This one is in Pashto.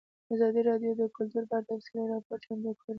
ازادي راډیو د کلتور په اړه تفصیلي راپور چمتو کړی.